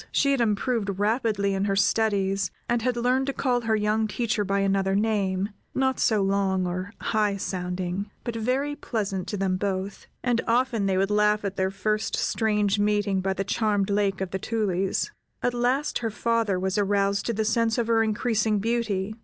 She had improved rapidly in her studies, and had learned to call her young teacher by another name, not so long or high sounding, but very pleasant to them both, and often they would laugh at their first strange meeting by the charmed Lake of the Tulies. At last her father was aroused to the sense of her increasing beauty.